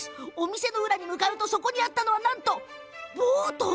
店の裏に向かうとそこにあったのはなんとボート！